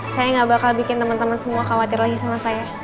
saya gak bakal bikin teman teman semua khawatir lagi sama saya